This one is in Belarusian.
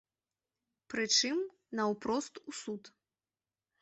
Прычым, наўпрост у суд.